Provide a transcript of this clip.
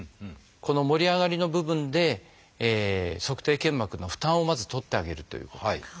この盛り上がりの部分で足底腱膜の負担をまず取ってあげるということ。